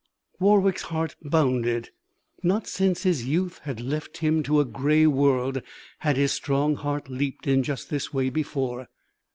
Warwick's heart bounded. Not since his youth had left him to a gray world had his strong heart leaped in just this way before.